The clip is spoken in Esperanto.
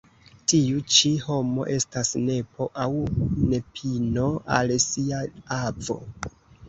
Tiu ĉi homo estas nepo aŭ nepino al sia avo.